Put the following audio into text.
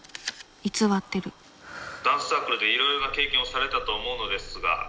偽ってる「ダンスサークルでいろいろな経験をされたと思うのですが」。